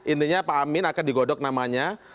intinya pak amin akan digodok namanya